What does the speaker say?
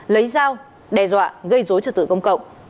lấy dao đe dọa gây dối trật tự công cộng